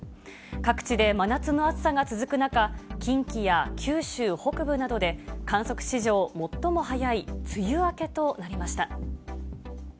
各地で真夏の暑さが続く中、近畿や九州北部などで、観測史上最も早い梅雨明けとなりました。